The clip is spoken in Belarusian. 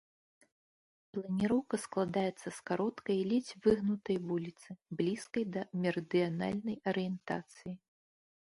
Планіроўка складаецца з кароткай, ледзь выгнутай вуліцы, блізкай да мерыдыянальнай арыентацыі.